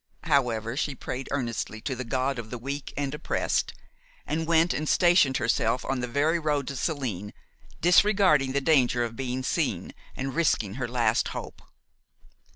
However, she prayed earnestly to the God of the weak and oppressed, and went and stationed herself on the very road to Saline, disregarding the danger of being seen, and risking her last hope.